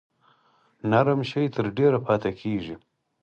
نرم شی تر ډیره پاتې کیږي.